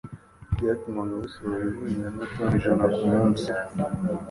byatumaga busohora ivu ringana na toni ijana ku munsi